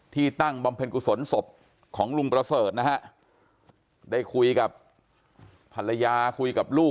ตั้งบำเพ็ญกุศลศพของลุงประเสริฐนะฮะได้คุยกับภรรยาคุยกับลูก